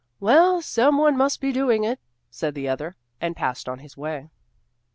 "Well, some one must be doing it," said the other, and passed on his way.